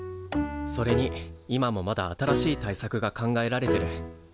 それに今もまだ新しい対策が考えられてる。